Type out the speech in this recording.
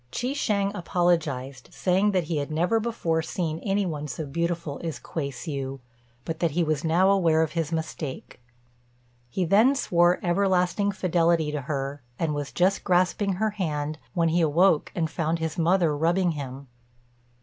Chi shêng apologized, saying that he had never before seen any one so beautiful as Kuei hsiu, but that he was now aware of his mistake. He then swore everlasting fidelity to her, and was just grasping her hand, when he awoke and found his mother rubbing him.